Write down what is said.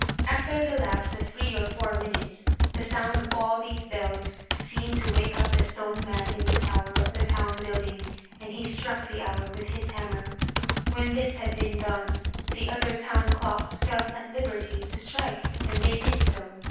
After the lapse of three or four minutes, the sound of all these bells seemed to wake up the stone man in the tower of the town building, and he struck the hour with his hammer. When this had been done, the other town clocks felt at liberty to strike, and they did so.